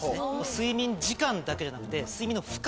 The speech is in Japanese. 睡眠時間だけじゃなくて睡眠の深さ。